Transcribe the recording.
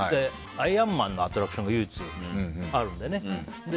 「アイアンマン」のアトラクションが唯一、あるのでね。